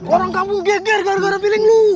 orang kampung geger gara gara feeling lu